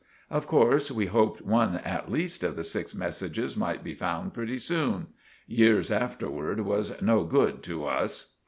Of corse we hoped one at leest of the six messages might be found pretty soon. Years afterwards was no good to us.